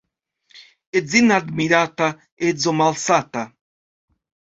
Edzin' admirata — edzo malsata.